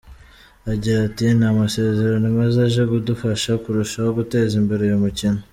Agira ati “Ni amasezerano meza aje kudufasha kurushaho guteza imbere uyu mukino.